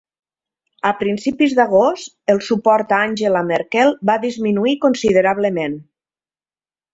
A principis d'agost, el suport a Angela Merkel va disminuir considerablement.